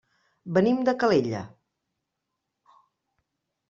Venim de Calella.